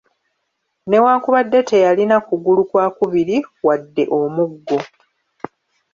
Newakubadde teyalina kugulu kwa kubiri wadde omuggo.